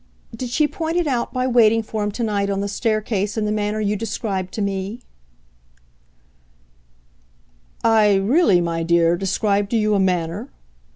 "Did she point it out by waiting for him to night on the stair case in the manner you described to me?" "I really, my dear, described to you a manner?"